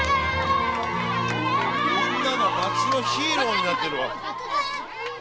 みんなの街のヒーローになってるわ。